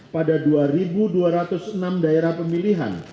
pada dua dua ratus enam daerah pemilihan